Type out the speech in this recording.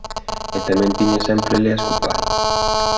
E tamén tiña sempre leas co pai.